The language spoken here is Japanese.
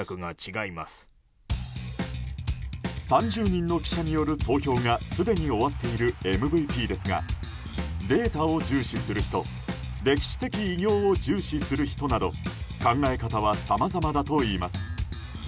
３０人の記者による投票がすでに終わっているＭＶＰですがデータを重視する人歴史的偉業を重視する人など考え方はさまざまだといいます。